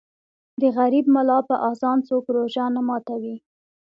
د غریب ملا په اذان څوک روژه نه ماتوي.